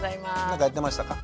何かやってましたか？